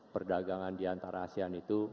perdagangan diantara asean itu